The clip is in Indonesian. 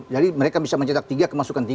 jadi mereka bisa mencetak tiga kemasukan tiga